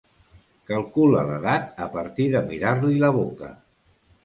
Calcula l'edat a partir de mirar-li la boca.